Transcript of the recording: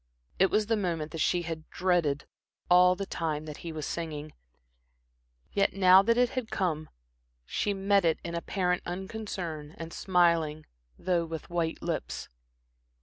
It was the moment that she had dreaded all the time that he was singing, yet now that it had come, she met it in apparent unconcern, and smiling, though with white lips.